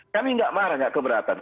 kami tidak marah tidak keberatan